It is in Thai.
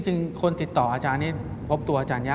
แขกเบอร์ใหญ่ของผมในวันนี้